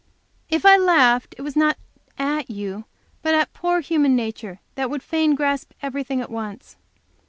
"If I laughed it was not at you, but at poor human nature that would fain grasp everything at once.